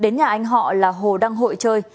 nhà anh họ là hồ đăng hội chơi